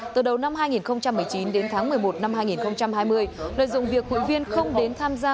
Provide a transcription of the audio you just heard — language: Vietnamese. từ đầu năm hai nghìn một mươi chín đến tháng một mươi một năm hai nghìn hai mươi nơi dùng việc hội viên không đến tham gia